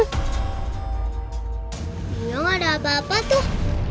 belum ada apa apa tuh